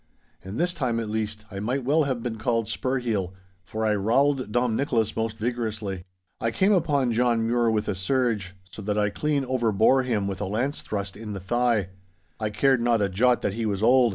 And this time at least I might well have been called Spurheel, for I rowelled Dom Nicholas most vigorously. I came upon John Mure with a surge, so that I clean overbore him with a lance thrust in the thigh. I cared not a jot that he was old.